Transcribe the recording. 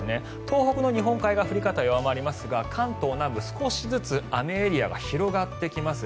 東北の日本海側は降り方が弱まりますが関東南部、少しずつ雨エリアが広がってきます。